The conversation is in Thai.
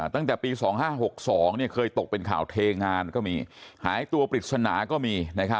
ตั้งแต่ปี๒๕๖๒เคยตกเป็นข่าวเทงานก็มีหายตัวปริศนาก็มี